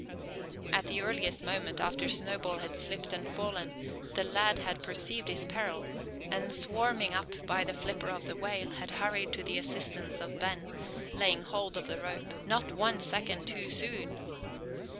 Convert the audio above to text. At the earliest moment, after Snowball had slipped and fallen, the lad had perceived his peril; and "swarming" up by the flipper of the whale, had hurried to the assistance of Ben, laying hold of the rope, not one second too soon.